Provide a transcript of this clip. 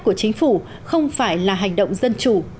của chính phủ không phải là hành động dân chủ